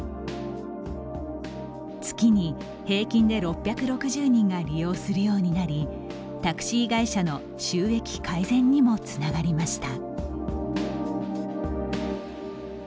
月に平均で６６０人が利用するようになりタクシー会社の収益改善にもつながりました。